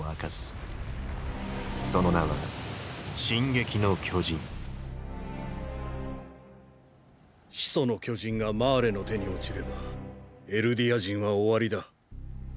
その名は「進撃の巨人」ーー「始祖の巨人」がマーレの手に落ちればエルディア人は終わりだ。